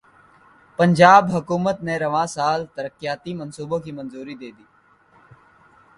پنجاب حکومت نے رواں سال ترقیاتی منصوبوں کی منظوری دیدی